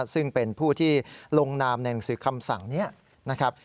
ซึ่งเป็นผู้ที่ลงนามในหนังสือคำสั่งนี้นะครับ